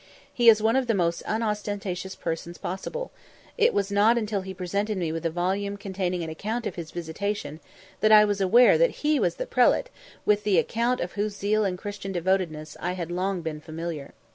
He is one of the most unostentatious persons possible; it was not until he presented me with a volume containing an account of his visitation that I was aware that he was the prelate with the account of whose zeal and Christian devotedness I had long been familiar.